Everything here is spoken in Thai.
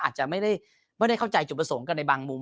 อาจจะไม่ได้เข้าใจจุดประสงค์กันในบางมุม